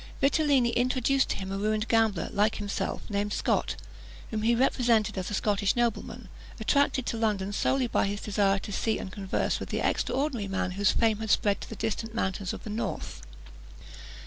Vitellini introduced to him a ruined gambler like himself, named Scot, whom he represented as a Scottish nobleman, attracted to London solely by his desire to see and converse with the extraordinary man whose fame had spread to the distant mountains of the north.